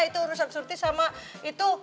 itu urusan surti sama itu